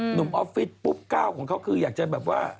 ออฟฟิศปุ๊บก้าวของเขาคืออยากจะแบบว่า